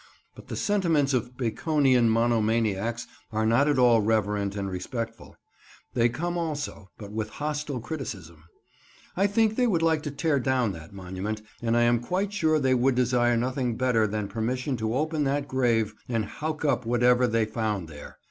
But the sentiments of Baconian mono maniacs are not at all reverent and respectful. They come also, but with hostile criticism. I think they would like to tear down that monument, and I am quite sure they would desire nothing better than permission to open that grave and howk up whatever they found there.